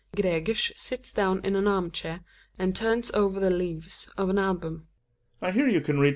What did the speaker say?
Gregers sits down in the arm chair and turns over the lea^^es of an album.